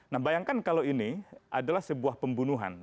nah bayangkan kalau ini adalah sebuah pembunuhan